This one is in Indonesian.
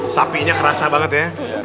sapinya kerasa banget ya